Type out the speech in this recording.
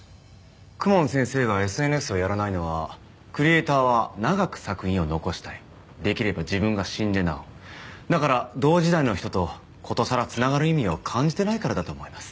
公文先生がＳＮＳをやらないのはクリエイターは長く作品を残したいできれば自分が死んでなおだから同時代の人とことさらつながる意味を感じてないからだと思います